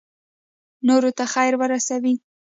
نورو ته خیر ورسوئ